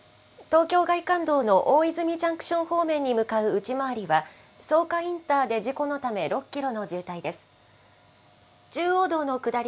東京外環道の大泉ジャンクション方面に向かう内回りは、草加インターで事故のため６キロの渋滞です。